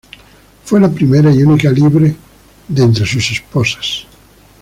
Fue la primera y única libre de entre sus esposas.